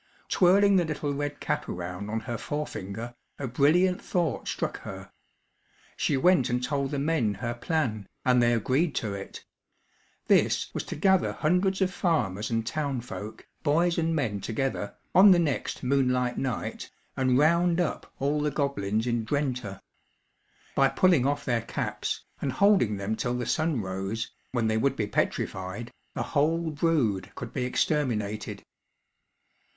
Twirling the little red cap around on her forefinger, a brilliant thought struck her. She went and told the men her plan, and they agreed to it. This was to gather hundreds of farmers and townfolk, boys and men together, on the next moonlight night, and round up all the goblins in Drenthe. By pulling off their caps, and holding them till the sun rose, when they would be petrified, the whole brood could be exterminated.